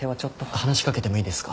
話し掛けてもいいですか？